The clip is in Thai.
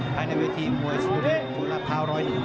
ภายในเวทีมวยสุดิโมราภาวรอยดิ